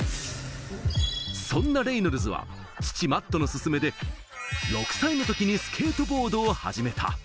そんなレイノルズは父・マットのすすめで６歳の時にスケートボードを始めた。